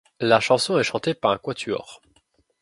La chanson est chantée par un quatuor.